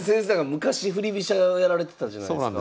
昔振り飛車をやられてたじゃないですか。